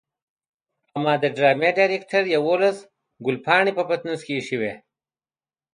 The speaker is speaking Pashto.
اما د ډرامې ډايرکټر يوولس ګلپيانې په پټنوس کې ايښې وي.